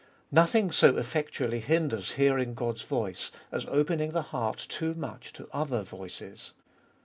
3. Nothing so effectually hinders hearing God's voice as opening the heart too much to other voices.